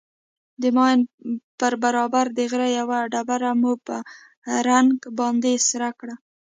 د ماين پر برابر د غره يوه ډبره مو په رنگ باندې سره کړه.